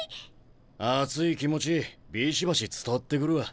熱い気持ちビシバシ伝わってくるわ。